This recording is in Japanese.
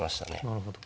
なるほど。